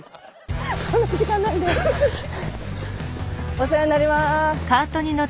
お世話になります。